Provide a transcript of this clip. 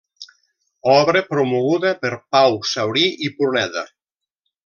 Obra promoguda per Pau Saurí i Pruneda.